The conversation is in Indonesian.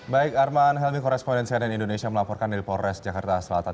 baik arman helmi korespondensi ann indonesia melaporkan dari polres jakarta selatan